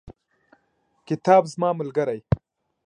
کتاب زما ملګری.